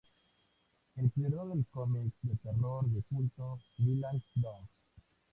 Es el creador del cómic de terror de culto "Dylan Dog".